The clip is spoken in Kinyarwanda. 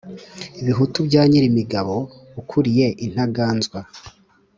Bihutu bya Nyilimigabo ukuriye Intaganzwa.